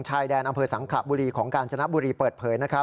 ชายแดนอำเภอสังขระบุรีของกาญจนบุรีเปิดเผย